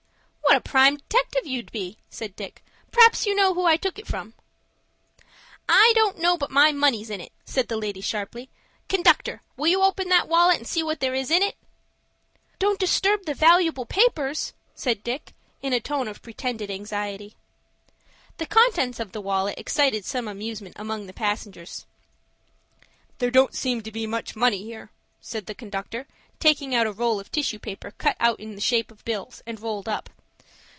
"What a prime detective you'd be!" said Dick. "P'rhaps you know who I took it from." "I don't know but my money's in it," said the lady, sharply. "Conductor, will you open that wallet, and see what there is in it?" "Don't disturb the valooable papers," said Dick, in a tone of pretended anxiety. The contents of the wallet excited some amusement among the passengers. "There don't seem to be much money here," said the conductor, taking out a roll of tissue paper cut out in the shape of bills, and rolled up.